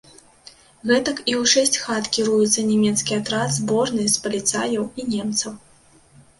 Гэтак і ў шэсць хат кіруецца нямецкі атрад, зборны, з паліцаяў і немцаў.